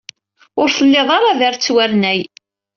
Ur tellid ara d arettwarnay.